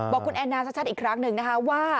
บอกคุณแอนน่าสักชัดอีกครั้งหนึ่งว่า